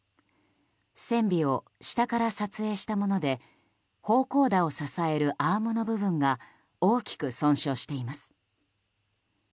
船尾を下から撮影したもので方向舵を支えるアームの部分が大きく損傷しています。